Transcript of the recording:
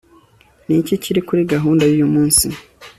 Niki kiri kuri gahunda yuyu munsi